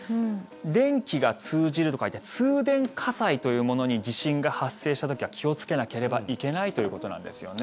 電気が通じると書いて通電火災というものに地震が発生した時は気をつけなけれいけないということなんですよね。